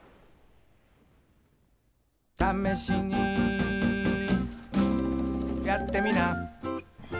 「ためしにやってみな」